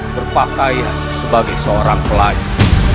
berpakaian sebagai seorang pelayu